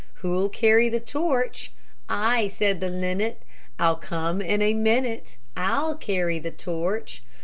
Who'll carry the torch? "I," said the linnet, "I'll come in a minute, I'll carry the torch."